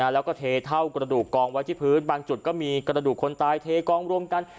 แล้วก็เทเท่ากระดูกกองไว้ที่พื้นบางจุดก็มีกระดูกคนตายเทกองรวมกัน